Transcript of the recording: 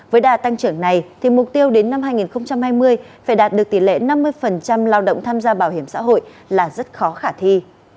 với đà tăng trưởng này thì mục tiêu đến năm hai nghìn hai mươi phải đạt được tỷ lệ năm mươi lao động tham gia bảo hiểm xã hội là rất khó khả thi